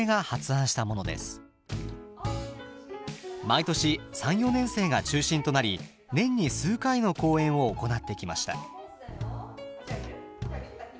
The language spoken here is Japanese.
毎年３４年生が中心となり年に数回の公演を行ってきました。